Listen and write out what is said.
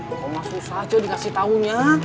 gak masalah ceng dikasih tahunya